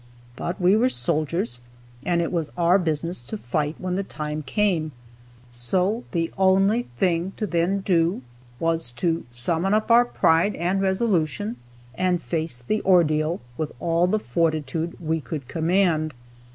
But we were soldiers, and it was our business to fight when the time came, so the only thing to then do was to summon up our pride and resolution, and face the ordeal with all the fortitude we could command.